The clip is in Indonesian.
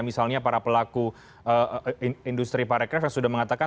misalnya para pelaku industri pariwisata sudah mengatakan